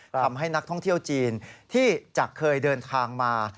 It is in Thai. ทำให้นักท่องเที่ยวจีนที่จะเคยเดินทางมา